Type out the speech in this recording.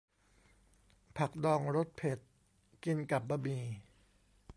ผักดองรสเผ็ด กินกับบะหมี่